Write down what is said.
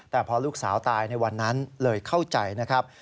แต่พอลูกสาวตายในวันนั้นเลยเข้าใจนะครับ